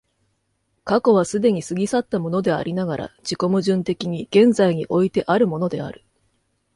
過去は既に過ぎ去ったものでありながら、自己矛盾的に現在においてあるものである。